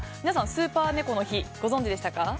皆さん、スーパー猫の日ご存知でしたか？